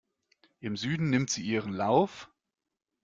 Im Süden nimmt sie ihren Lauf.